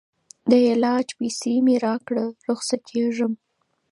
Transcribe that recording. د علاج پیسې مي راکړه رخصتېږم